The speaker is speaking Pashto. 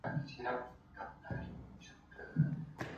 احمد شاه ابدالي په کوم ښار کي زېږېدلی و؟